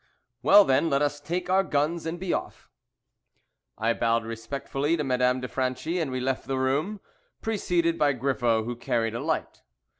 "Well, then, let us take our guns and be off." I bowed respectfully to Madame de Franchi, and we left the room, preceded by Griffo, who carried a light.